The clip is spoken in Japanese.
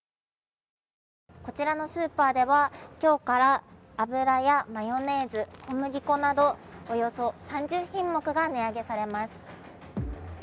こちらのスーパーでは今日から油やマヨネーズ、小麦粉など、およそ３０品目が値上げされます。